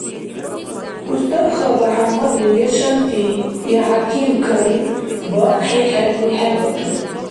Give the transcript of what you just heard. Устарха БяхӀяммадли я шанти я хӀяким-карим бахъхӀи хӀерли хӀебатур.